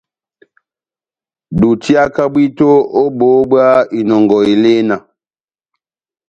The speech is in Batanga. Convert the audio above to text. Dutiaka bwito ó boho bwa inɔngɔ elena.